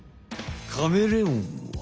カメレオンは。